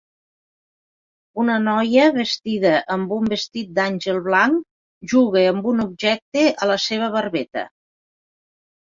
Una noia vestida amb un vestit d'àngel blanc juga amb un objecte a la seva barbeta.